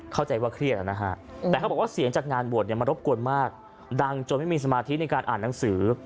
เข้าใจว่าเครียดนะฮะแต่เขาบอกว่าเสียงจากงานบวชเนี่ยมันรบกวนมากดังจนไม่มีสมาธิในการอ่านหนังสือ